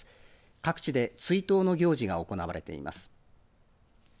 各地で追悼の行事が行われています。